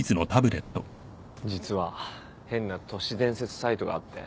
実は変な都市伝説サイトがあって。